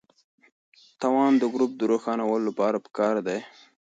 توان د ګروپ د روښانولو لپاره پکار دی.